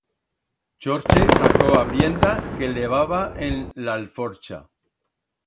Chorche sacó a brienda que levaba en l'alforcha.